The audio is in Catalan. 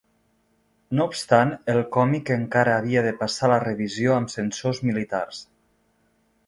No obstant, el còmic encara havia de passar la revisió amb censors militars.